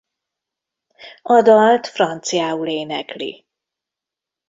A dalt franciául énekli.